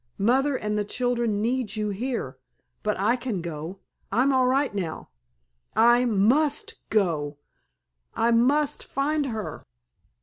Mother and the children need you here. But I can go—I'm all right now—I must go—I must find her!"